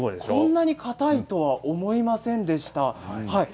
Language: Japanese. こんなにかたいとは思いませんでした。